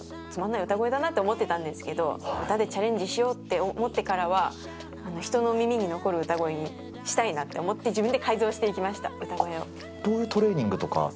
つまんない歌声だなって思ってたんですけど、歌でチャレンジしようと思ってからは、人の耳に残る歌声にしたいなと思って、自分で改造していきました、どういうトレーニングとか？